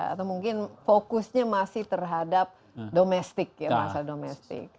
atau mungkin fokusnya masih terhadap domestik masa domestik